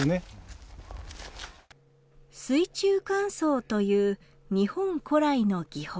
水中乾燥という日本古来の技法。